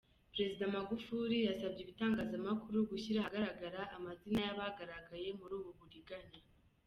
Perezida Magufuli yasabye ibitangazamakuru gushyira ahagaragara amazina y’abagaragaye muri ubu buriganya.